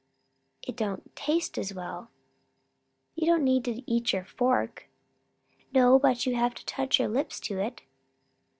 "It don't taste as well." "You don't need to eat your fork." "No, but you have to touch your lips to it."